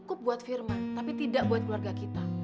cukup buat firman tapi tidak buat keluarga kita